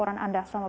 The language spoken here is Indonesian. terima kasih pak